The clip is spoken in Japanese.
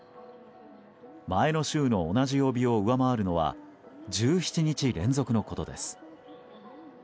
前の週の同じ曜日を上回るのは１７日連続のことです。